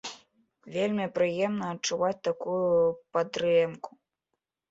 Вельмі прыемна адчуваць такую падтрымку.